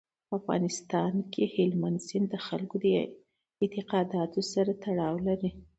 په افغانستان کې هلمند سیند د خلکو د اعتقاداتو سره تړاو لري.